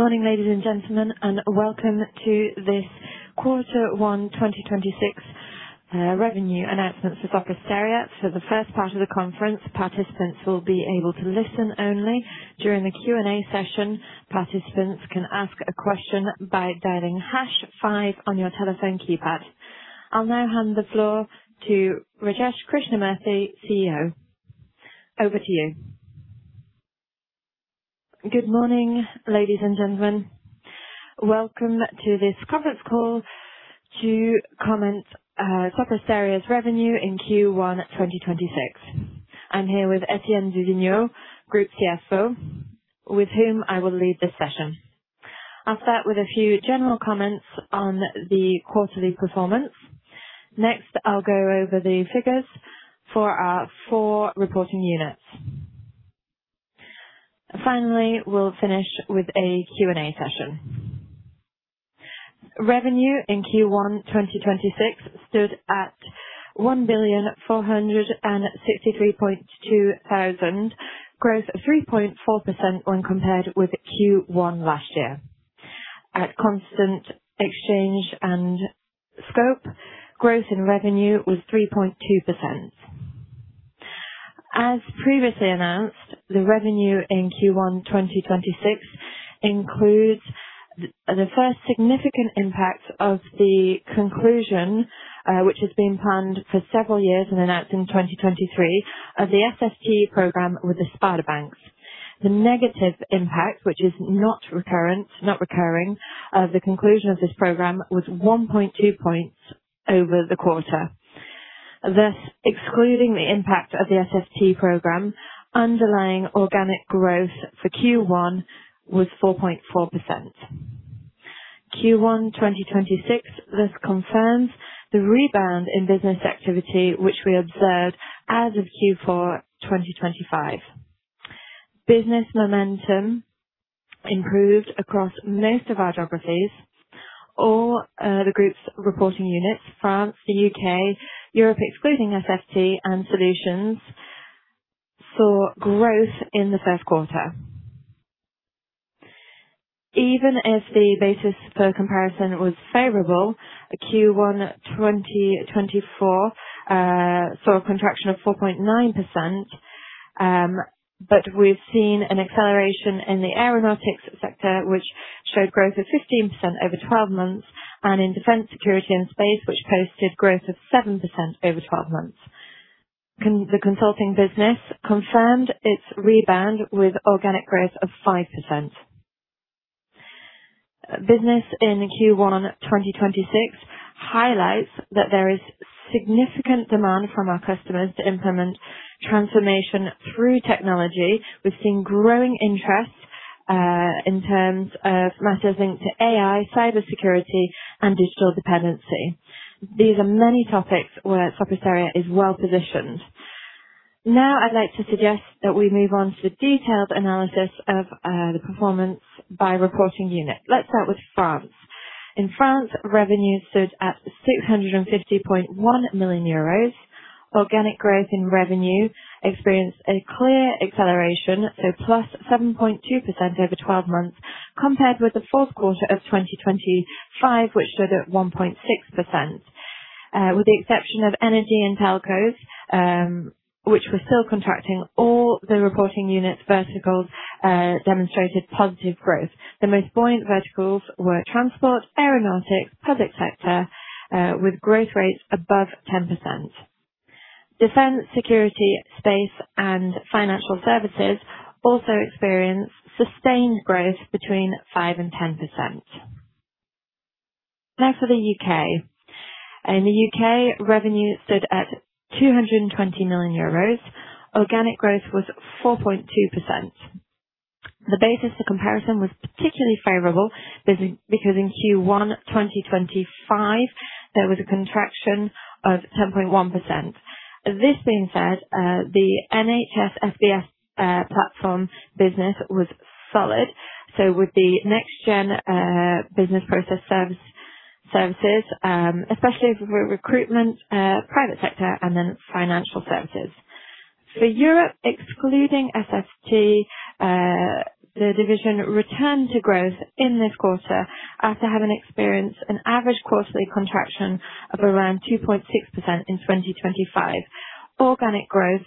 Good morning ladies and gentlemen and welcome to this quarter one 2026 revenue for Sopra Steria. For the first part of the conference participants will be able to listen-only. During the Q&A session, participants can ask a question by dialing # five on your telephone keypad. I now hand over the floor to Rajesh Krishnamurthy, CEO. Over to you. Good morning, ladies and gentlemen. Welcome to this conference call to comment Sopra Steria's revenue in Q1 2026. I'm here with Etienne du Vignaux, Group CFO, with whom I will lead this session. I'll start with a few general comments on the quarterly performance. Next, I'll go over the figures for our four reporting units. Finally, we'll finish with a Q&A session. Revenue in Q1 2026 stood at 1.463002 billion growth, 3.4% when compared with Q1 last year. At constant exchange and scope, growth in revenue was 3.2%. As previously announced, the revenue in Q1 2026 includes the first significant impact of the conclusion, which has been planned for several years and announced in 2023 of the SST program with the Sparda-Bank. The negative impact, which is not recurring, of the conclusion of this program was 1.2 points over the quarter. Excluding the impact of the SST program, underlying organic growth for Q1 was 4.4%. Q1 2026 thus confirms the rebound in business activity, which we observed as of Q4 2025. Business momentum improved across most of our geographies. All the group's reporting units, France, the U.K., Europe excluding SST and Solutions, saw growth in the first quarter. Even if the basis for comparison was favorable, Q1 2024 saw a contraction of 4.9%, we've seen an acceleration in the aeronautics sector, which showed growth of 15% over 12 months, and in defense, security and space, which posted growth of 7% over 12 months. The consulting business confirmed its rebound with organic growth of 5%. Business in Q1 2026 highlights that there is significant demand from our customers to implement transformation through technology. We've seen growing interest in terms of matters linked to AI, cyber security, and digital sovereignty. These are many topics where Sopra Steria is well-positioned. I'd like to suggest that we move on to the detailed analysis of the performance by reporting unit. Let's start with France. In France, revenue stood at 650.1 million euros. Organic growth in revenue experienced a clear acceleration, +7.2% over 12 months compared with the fourth quarter of 2025, which stood at 1.6%. With the exception of energy and telcos, which were still contracting, all the reporting units verticals demonstrated positive growth. The most buoyant verticals were transport, aeronautics, public sector, with growth rates above 10%. Defense, security, space, and financial services also experienced sustained growth between 5% and 10%. For the U.K. In the U.K., revenue stood at 220 million euros. Organic growth was 4.2%. The basis for comparison was particularly favorable because in Q1 2025, there was a contraction of 10.1%. This being said, the NHS SBS platform business was solid, so with the next-gen business process services, especially for recruitment, private sector and then financial services. For Europe, excluding SST, the division returned to growth in this quarter after having experienced an average quarterly contraction of around 2.6% in 2025. Organic growth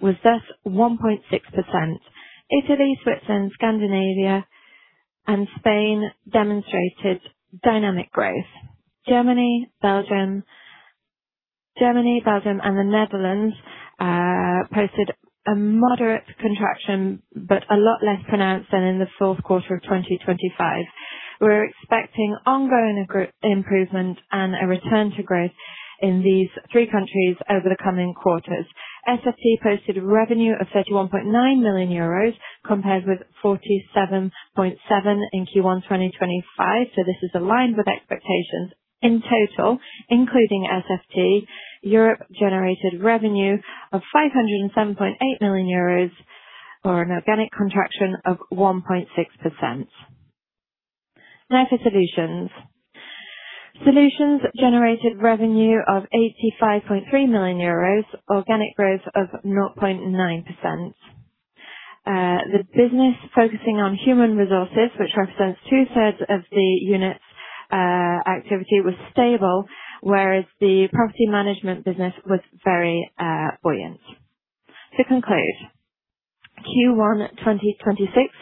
was thus 1.6%. Italy, Switzerland, Scandinavia, and Spain demonstrated dynamic growth. Germany, Belgium, and the Netherlands posted a moderate contraction, but a lot less pronounced than in the fourth quarter of 2025. We're expecting ongoing improvement and a return to growth in these three countries over the coming quarters. SST posted revenue of 31.9 million euros compared with 47.7 in Q1 2025. This is aligned with expectations. In total, including SST, Europe generated revenue of 507.8 million euros or an organic contraction of 1.6%. For Solutions. Solutions generated revenue of 85.3 million euros, organic growth of 0.9%. The business focusing on human resources, which represents 2/3 of the unit's activity was stable, whereas the property management business was very buoyant. To conclude, Q1 2026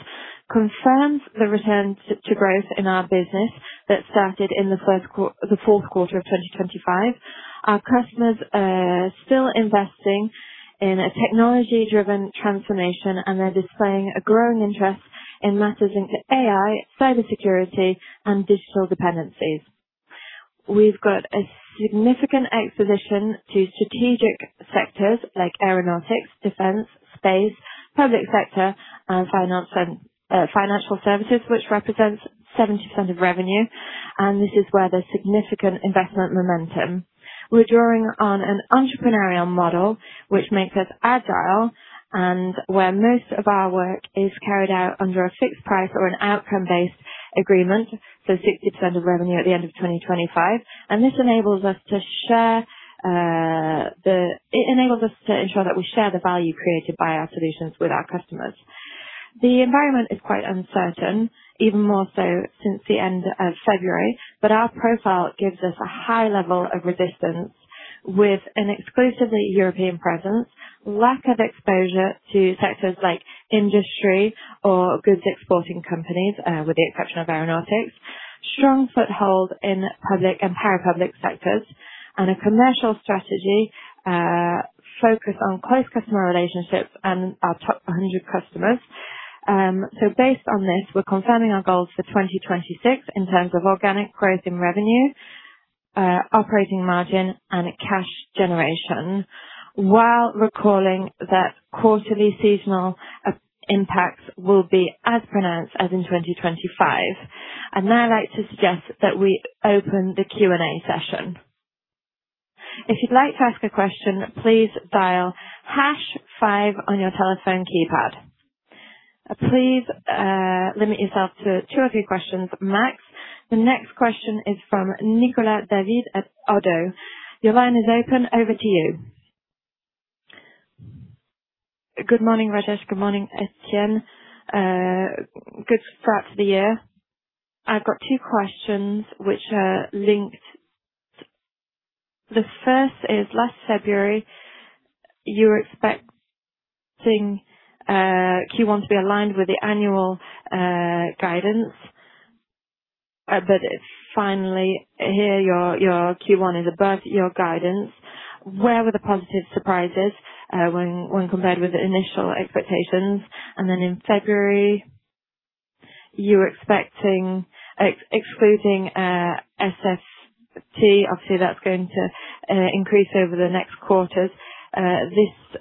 confirms the return to growth in our business that started in the fourth quarter of 2025. Our customers are still investing in a technology-driven transformation, they're displaying a growing interest in matters into AI, cybersecurity, and digital dependencies. We've got a significant exposition to strategic sectors like aeronautics, defense, space, public sector, and finance and financial services, which represents 70% of revenue. This is where there's significant investment momentum. We're drawing on an entrepreneurial model which makes us agile and where most of our work is carried out under a fixed price or an outcome-based agreement, so 60% of revenue at the end of 2025. This enables us to ensure that we share the value created by our solutions with our customers. The environment is quite uncertain, even more so since the end of February. Our profile gives us a high level of resistance with an exclusively European presence, lack of exposure to sectors like industry or goods exporting companies, with the exception of aeronautics. Strong foothold in public and parapublic sectors and a commercial strategy focused on close customer relationships and our top 100 customers. Based on this, we're confirming our goals for 2026 in terms of organic growth in revenue, operating margin, and cash generation, while recalling that quarterly seasonal impacts will be as pronounced as in 2025. I'd now like to suggest that we open the Q&A session. If you'd like to ask a question, please dial # five on your telephone keypad. Please limit yourself to two or three questions max. The next question is from Nicolas David at ODDO. Your line is open. Over to you. Good morning, Rajesh. Good morning, Etienne. Good start to the year. I've got two questions which are linked. The first is last February you were expecting Q1 to be aligned with the annual guidance. It's finally here, your Q1 is above your guidance. Where were the positive surprises when compared with the initial expectations? Then in February, you were expecting excluding SST. Obviously, that's going to increase over the next quarters. This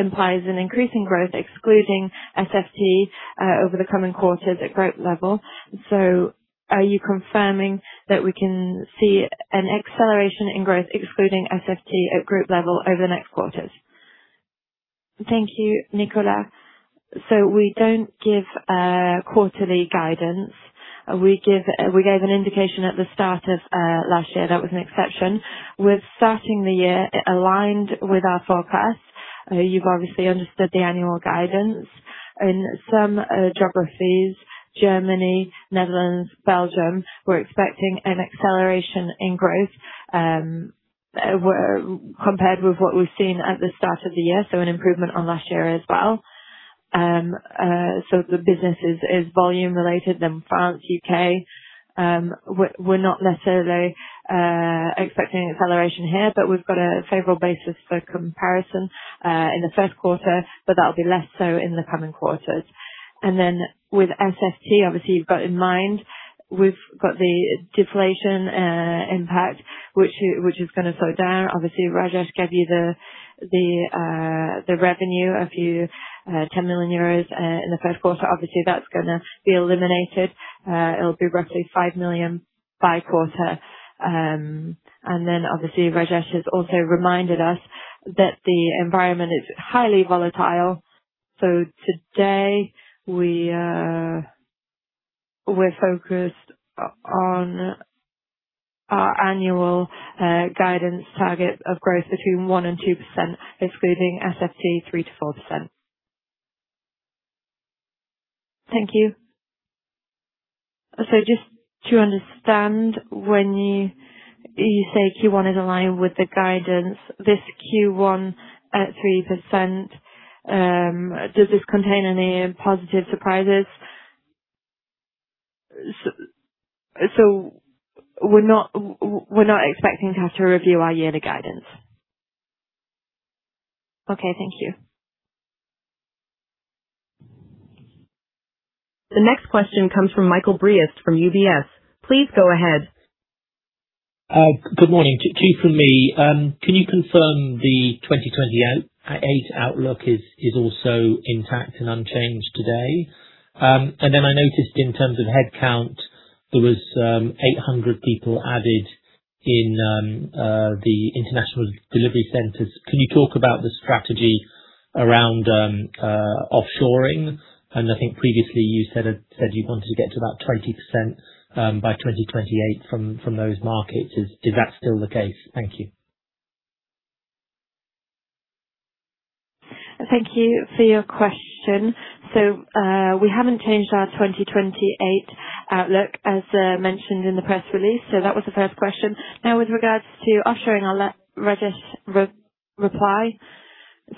implies an increasing growth, excluding SST, over the coming quarters at group level. Are you confirming that we can see an acceleration in growth, excluding SST at group level over the next quarters? Thank you, Nicolas. We don't give quarterly guidance. We gave an indication at the start of last year. That was an exception. We're starting the year aligned with our forecast. You've obviously understood the annual guidance. In some geographies, Germany, Netherlands, Belgium, we're expecting an acceleration in growth, compared with what we've seen at the start of the year. An improvement on last year as well. The business is volume related. France, U.K., we're not necessarily expecting acceleration here, but we've got a favorable basis for comparison in the first quarter, but that'll be less so in the coming quarters. With SST, obviously, you've got in mind, we've got the deflation impact which is gonna slow down. Obviously, Rajesh gave you the revenue, a few 10 million euros in the first quarter. Obviously, that's gonna be eliminated. It'll be roughly 5 million by quarter. Obviously, Rajesh has also reminded us that the environment is highly volatile. Today we are focused on our annual guidance target of growth between 1% and 2%, excluding SST 3%-4%. Thank you. Just to understand, when you say Q1 is aligned with the guidance, this Q1 at 3%, does this contain any positive surprises? We're not expecting to have to review our yearly guidance. Okay. Thank you. The next question comes from Michael Briest from UBS. Please go ahead. Good morning. Two from me. Can you confirm the 2028 outlook is also intact and unchanged today? I noticed in terms of headcount, there was 800 people added in the international delivery centers, can you talk about the strategy around offshoring? I think previously you said you wanted to get to about 20%, by 2028 from those markets. Is that still the case? Thank you. Thank you for your question. We haven't changed our 2028 outlook as mentioned in the press release. That was the first question. Now with regards to offshoring, I'll let Rajesh re-reply.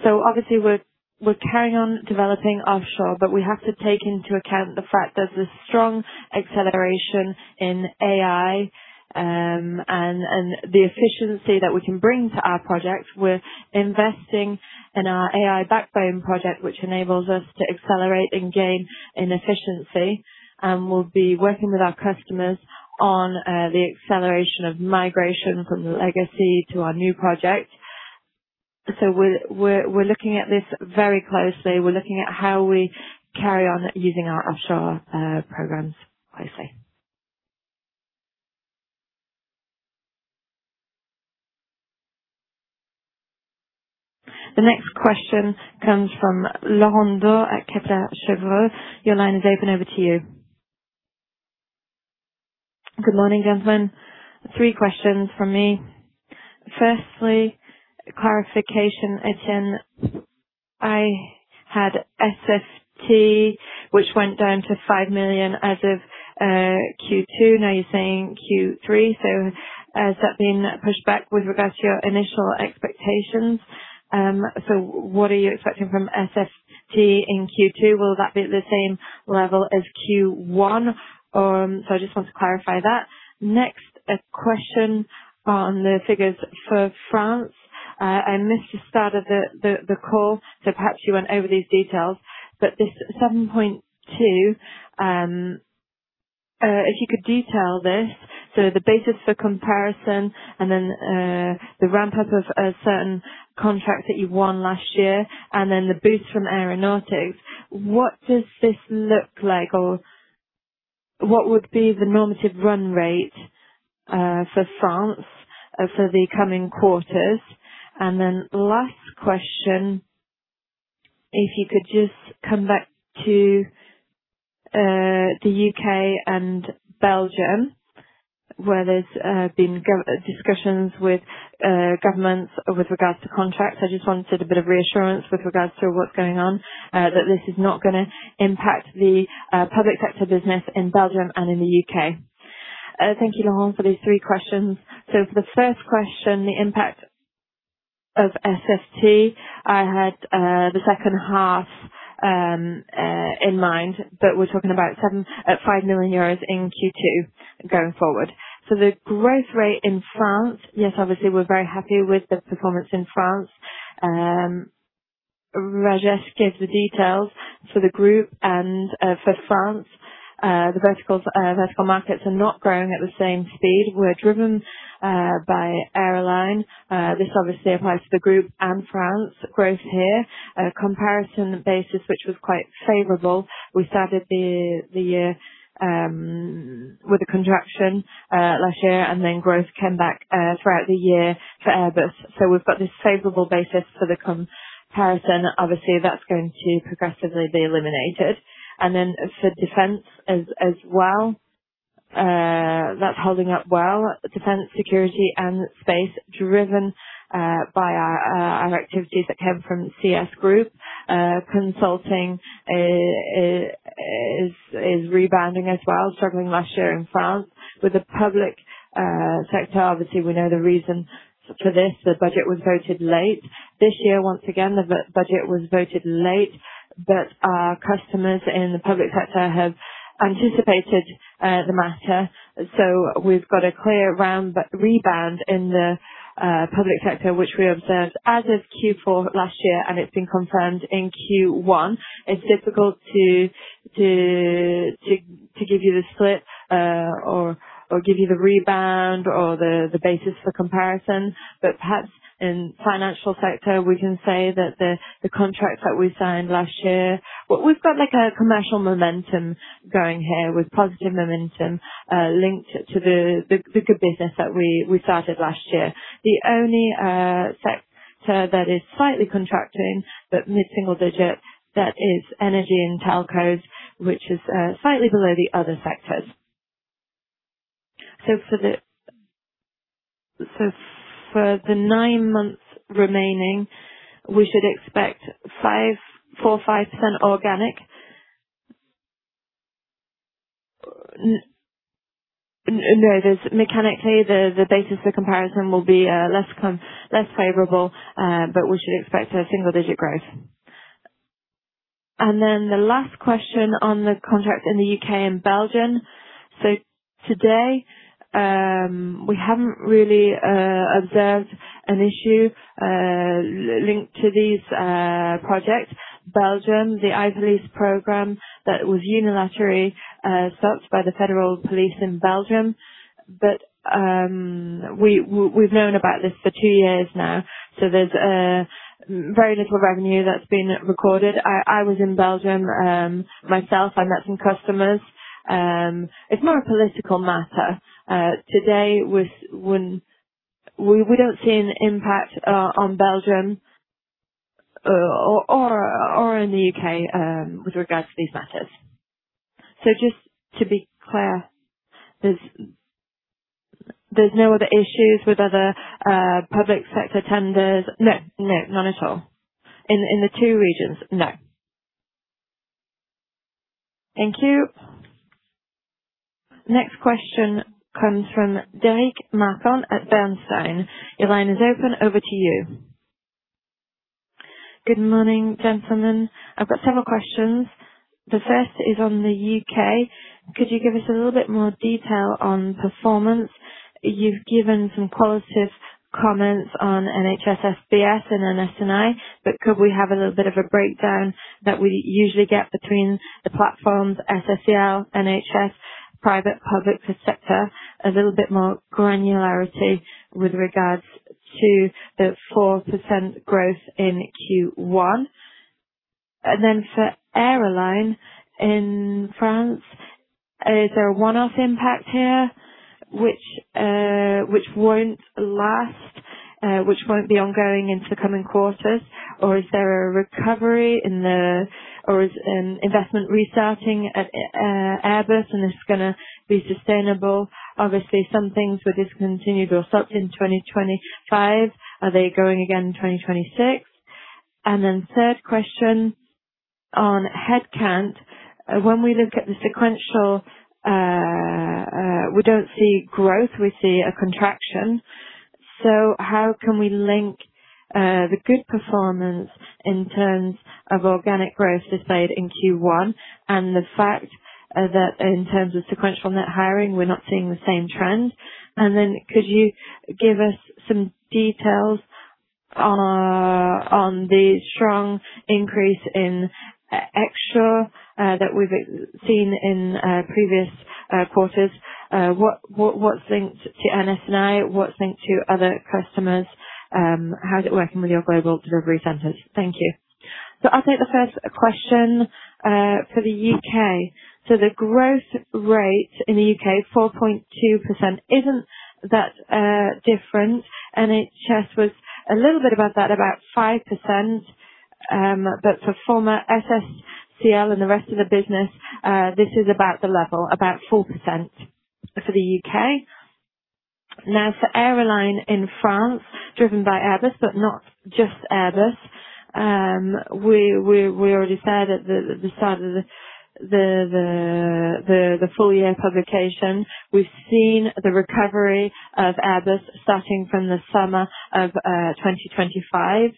Obviously we're carrying on developing offshore, but we have to take into account the fact there's a strong acceleration in AI, and the efficiency that we can bring to our project. We're investing in our AI Backbone project, which enables us to accelerate and gain in efficiency. We'll be working with our customers on the acceleration of migration from the legacy to our new project. We're, we're looking at this very closely. We're looking at how we carry on using our offshore programs closely. The next question comes from Laurent Daure at Kepler Cheuvreux. Your line is open over to you. Good morning, gentlemen. Three questions from me. Firstly, clarification, Etienne. I had SST, which went down to 5 million as of Q2. Now you're saying Q3. Is that being pushed back with regards to your initial expectations? What are you expecting from SST in Q2? Will that be at the same level as Q1? I just want to clarify that. Next, a question on the figures for France. I missed the start of the call, so perhaps you went over these details, but this 7.2%, if you could detail this. The basis for comparison and then the ramp-up of a certain contract that you won last year and then the boost from aeronautics. What does this look like? Or what would be the normative run rate for France for the coming quarters? Last question, if you could just come back to the U.K. and Belgium, where there's been discussions with governments with regards to contracts. I just wanted a bit of reassurance with regards to what's going on, that this is not gonna impact the public sector business in Belgium and in the U.K. Thank you, Laurent, for these three questions. For the first question, the impact of SST. I had the second half in mind, but we're talking about 5 million euros in Q2 going forward. The growth rate in France. Yes, obviously, we're very happy with the performance in France. Rajesh gave the details for the group and for France. The vertical markets are not growing at the same speed. We're driven by Aeroline. This obviously applies to the group and France growth here. A comparison basis, which was quite favorable. We started the year with a contraction last year, then growth came back throughout the year for Airbus. We've got this favorable basis for the comparison. Obviously, that's going to progressively be eliminated. Then for defense as well, that's holding up well. Defense, security, and space driven by our activities that came from the CS Group. Consulting is rebounding as well, struggling last year in France. With the public sector, obviously, we know the reason for this. The budget was voted late. This year, once again, the budget was voted late, our customers in the public sector have anticipated the matter. We've got a clear round rebound in the public sector, which we observed as of Q4 last year, and it's been confirmed in Q1. It's difficult to give you the split, or give you the rebound or the basis for comparison. Perhaps in financial sector, we can say that the contract that we signed last year. We've got like a commercial momentum going here with positive momentum, linked to the good business that we started last year. The only sector that is slightly contracting but mid-single digit, that is energy and telcos, which is slightly below the other sectors. For the nine months remaining, we should expect 4% or 5% organic? No, there's mechanically, the basis for comparison will be less favorable, but we should expect a single-digit growth. The last question on the contract in the U.K. and Belgium. Today, we haven't really observed an issue linked to these projects. Belgium, the i-Police program that was unilaterally stopped by the federal police in Belgium. We've known about this for two years now, so there's very little revenue that's been recorded. I was in Belgium myself. I met some customers. It's more a political matter. Today we don't see an impact on Belgium. Or in the U.K. with regards to these matters. Just to be clear, there's no other issues with other public sector tenders? No, none at all. In the two regions? No. Thank you. Next question comes from Derric Marcon at Bernstein. Your line is open. Over to you. Good morning, gentlemen. I've got several questions. The first is on the U.K. Could you give us a little bit more detail on performance? You've given some qualitative comments on NHS, SBS, and NS&I, could we have a little bit of a breakdown that we usually get between the platforms, SSCL, NHS, private, public sector, a little bit more granularity with regards to the 4% growth in Q1. For Aeroline in France, is there a one-off impact here which won't last, which won't be ongoing into coming quarters? Or is investment restarting at Airbus and it's gonna be sustainable? Obviously some things were discontinued or stopped in 2025. Are they going again in 2026? Then third question on headcount. When we look at the sequential, we don't see growth, we see a contraction. How can we link the good performance in terms of organic growth displayed in Q1 and the fact that in terms of sequential net hiring, we're not seeing the same trend. Could you give us some details on the strong increase in offshore that we've seen in previous quarters? What's linked to NS&I? What's linked to other customers? How is it working with your global delivery centers? Thank you. I'll take the first question for the U.K. The growth rate in the U.K., 4.2%, isn't that different. NHS was a little bit above that, about 5%. For former SSCL and the rest of the business, this is about the level, about 4% for the U.K. For Aeroline in France, driven by Airbus, but not just Airbus. We already said at the start of the full-year publication, we've seen the recovery of Airbus starting from the summer of 2025.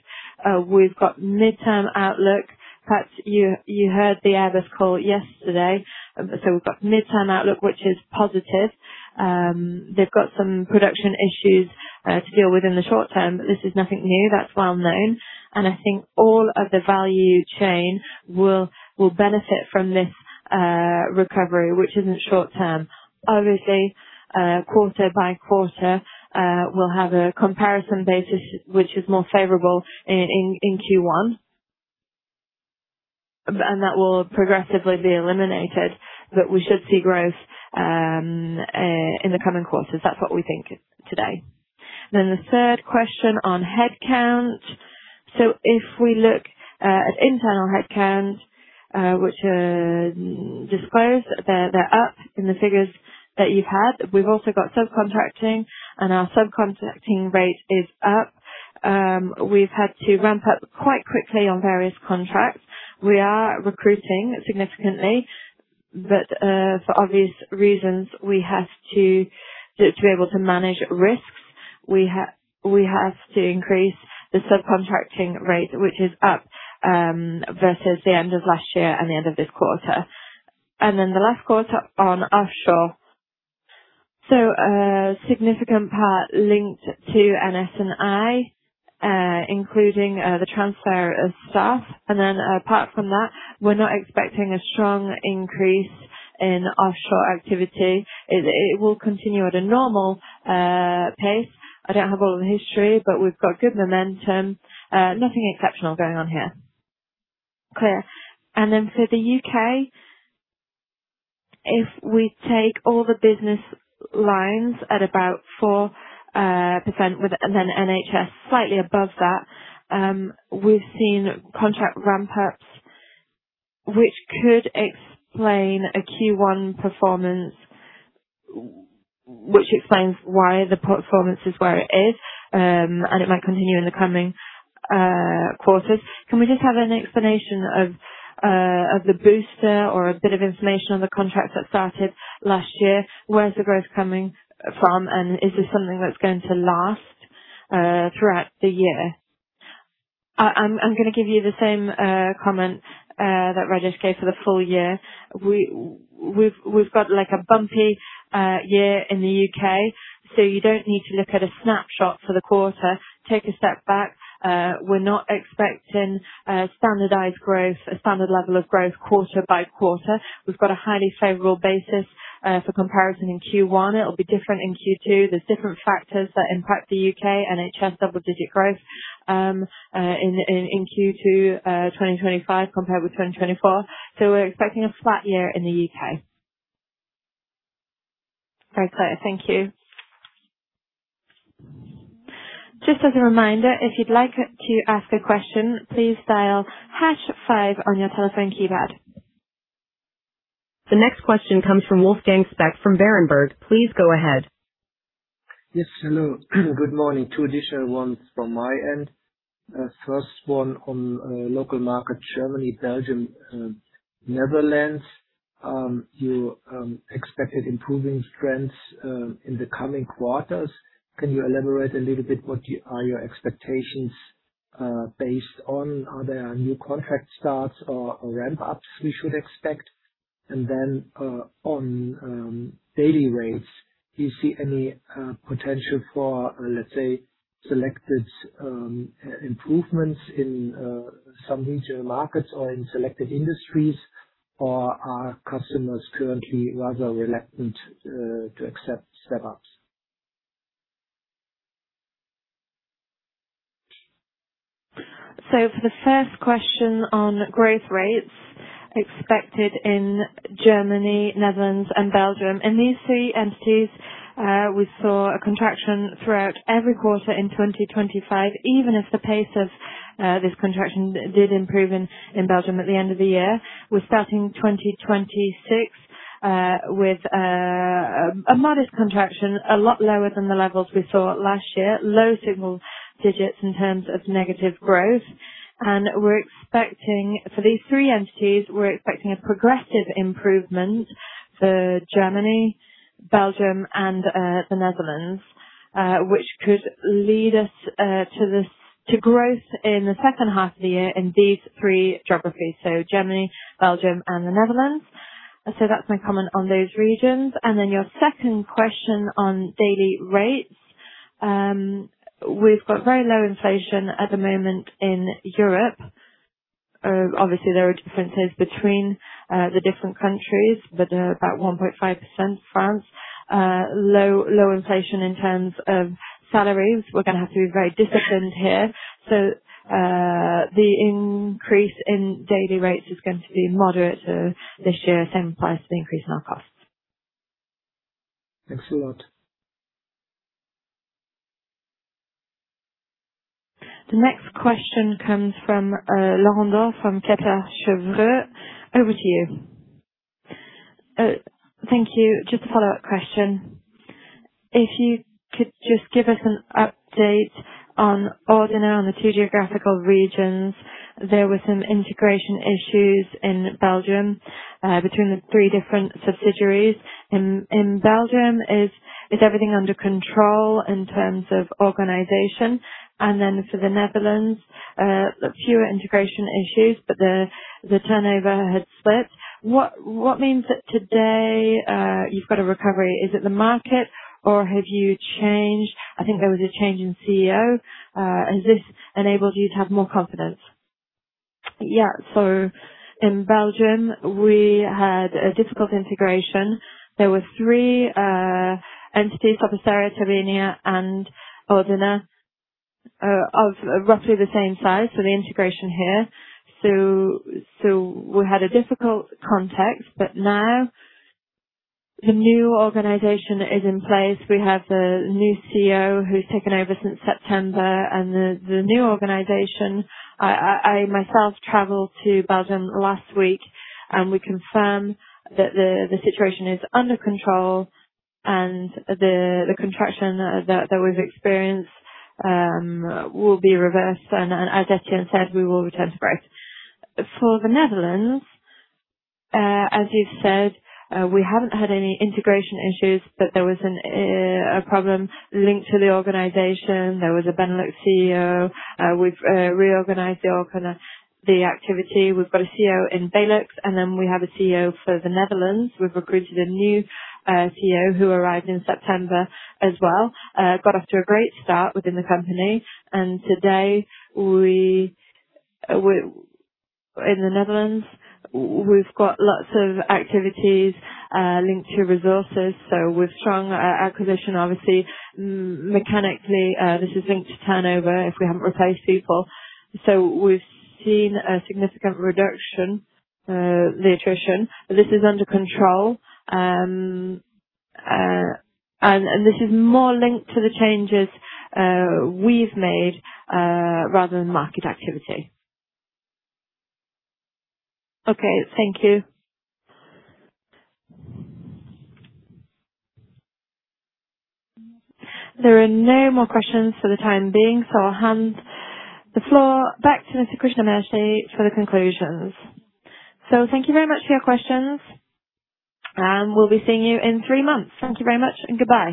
We've got midterm outlook. Perhaps you heard the Airbus call yesterday. We've got midterm outlook, which is positive. They've got some production issues to deal with in the short term. This is nothing new. That's well known. I think all of the value chain will benefit from this recovery, which isn't short term. Obviously, quarter by quarter, we'll have a comparison basis which is more favorable in Q1. That will progressively be eliminated, but we should see growth in the coming quarters. That's what we think today. The third question on headcount. If we look at internal headcount, which are disclosed, they're up in the figures that you've had. We've also got subcontracting, and our subcontracting rate is up. We've had to ramp-up quite quickly on various contracts. We are recruiting significantly, but for obvious reasons, we have to be able to manage risks. We have to increase the subcontracting rate, which is up versus the end of last year and the end of this quarter. The last quarter on offshore. A significant part linked to NS&I, including the transfer of staff. Apart from that, we're not expecting a strong increase in offshore activity. It will continue at a normal pace. I don't have all the history. We've got good momentum. Nothing exceptional going on here. Clear. For the U.K., if we take all the business lines at about 4%. NHS slightly above that, we've seen contract ramp-ups, which could explain a Q1 performance, which explains why the performance is where it is, and it might continue in the coming quarters. Can we just have an explanation of the booster or a bit of information on the contracts that started last year? Where is the growth coming from? Is this something that's going to last throughout the year? I'm gonna give you the same comment that Rajesh gave for the full-year. We've got like a bumpy year in the U.K. You don't need to look at a snapshot for the quarter. Take a step back. We're not expecting a standardized growth, a standard level of growth quarter-by-quarter. We've got a highly favorable basis for comparison in Q1. It'll be different in Q2. There's different factors that impact the U.K., NHS double-digit growth in Q2 2025 compared with 2024. We're expecting a flat year in the U.K. Very clear. Thank you. Just as a reminder, if you'd like to ask a question, please dial # five on your telephone keypad. The next question comes from Wolfgang Specht from Berenberg. Please go ahead. Yes. Hello. Good morning. Two additional ones from my end. First one on local market, Germany, Belgium, and Netherlands. You expected improving trends in the coming quarters. Can you elaborate a little bit what are your expectations based on? Are there new contract starts or ramp-ups we should expect? On daily rates, do you see any potential for, let's say, selected improvements in some regional markets or in selected industries? Are customers currently rather reluctant to accept step-ups? For the first question on growth rates expected in Germany, Netherlands, and Belgium. In these three entities, we saw a contraction throughout every quarter in 2025, even if the pace of this contraction did improve in Belgium at the end of the year. We're starting 2026 with a modest contraction, a lot lower than the levels we saw last year. Low single digits in terms of negative growth. We're expecting for these three entities, we're expecting a progressive improvement for Germany, Belgium, and the Netherlands, which could lead us to this, to growth in the second half of the year in these three geographies, so Germany, Belgium, and the Netherlands. That's my comment on those regions. Your second question on daily rates. We've got very low inflation at the moment in Europe. Obviously, there are differences between the different countries, but they're about 1.5% France. Low inflation in terms of salaries. We're gonna have to be very disciplined here. The increase in daily rates is going to be moderate this year, same applies to the increase in our costs. Thanks a lot The next question comes from Laurent Daure from Kepler Cheuvreux. Over to you. Thank you. Just a follow-up question. If you could just give us an update on Ordina on the two geographical regions. There were some integration issues in Belgium, between the three different subsidiaries. In Belgium, is everything under control in terms of organization? Then for the Netherlands, fewer integration issues, but the turnover had slipped. What means that today, you've got a recovery? Is it the market, or have you changed? I think there was a change in CEO. Has this enabled you to have more confidence? Yeah. In Belgium, we had a difficult integration. There were three entities, Sopra, Tobania, and Ordina, of roughly the same size, so the integration here. We had a difficult context, but now the new organization is in place. We have the new CEO who's taken over since September and the new organization. I myself traveled to Belgium last week, and we confirm that the situation is under control and the contraction that we've experienced will be reversed. As Etienne said, we will return to growth. For the Netherlands, as you've said, we haven't had any integration issues, but there was a problem linked to the organization. There was a Benelux CEO. We've reorganized the activity. We've got a CEO in Benelux. We have a CEO for the Netherlands. We've recruited a new CEO who arrived in September as well. He got off to a great start within the company. Today we, in the Netherlands, we've got lots of activities linked to resources, so with strong acquisition, obviously. Mechanically, this is linked to turnover if we haven't replaced people. We've seen a significant reduction, the attrition. This is under control. This is more linked to the changes we've made rather than market activity. Okay. Thank you. There are no more questions for the time being. I'll hand the floor back to Mr. Krishnamurthy for the conclusions. Thank you very much for your questions, and we'll be seeing you in three months. Thank you very much and goodbye.